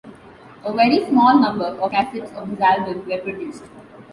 A very small number of cassettes of this album were produced.